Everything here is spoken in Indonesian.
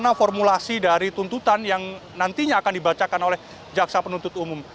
bagaimana formulasi dari tuntutan yang nantinya akan dibacakan oleh jaksa penuntut umum